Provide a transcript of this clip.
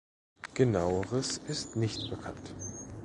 Genaueres ist nicht bekannt.